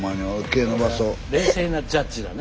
冷静なジャッジだね。